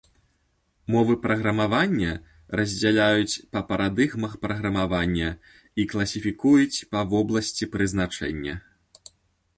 Мовы праграмавання раздзяляюць па парадыгмах праграмавання і класіфікуюць па вобласці прызначэння.